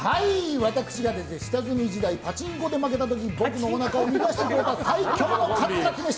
私が下積み時代パチンコで負けた時に僕のおなかを満たしてくれた最強のカツカツ飯。